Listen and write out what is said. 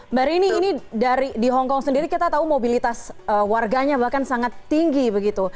mbak rini ini di hongkong sendiri kita tahu mobilitas warganya bahkan sangat tinggi begitu